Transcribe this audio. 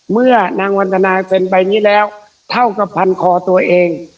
เมื่อนางวันธนาเป็นใบนี้แล้วเท่ากับพันคอตัวเอง